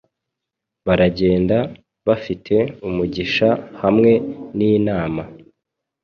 baragenda bafite umugisha hamwe ninama